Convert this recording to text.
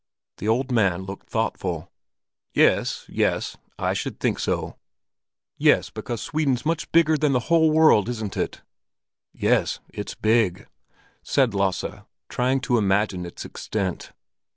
The old man looked thoughtful. "Ye es—yes, I should think so." "Yes, because Sweden's much bigger than the whole world, isn't it?" "Yes, it's big," said Lasse, trying to imagine its extent.